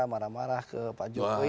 marah marah ke pak jokowi